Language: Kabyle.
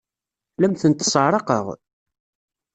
La am-tent-sseɛraqeɣ?